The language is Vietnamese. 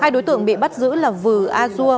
hai đối tượng bị bắt giữ là vừa a dua